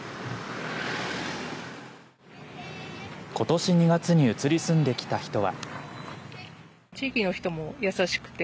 ことし２月に移り住んできた人は。